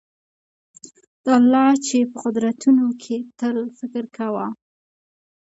د الله چي په قدرتونو کي تل فکر کوه